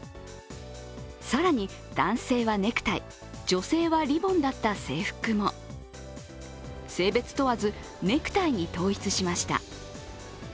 更に、男性はネクタイ、女性はリボンだった制服も性別問わず、ネクタイに統一しました。